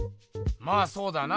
まあそうだな。